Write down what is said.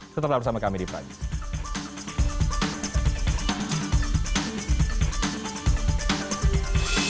tetaplah bersama kami di prime news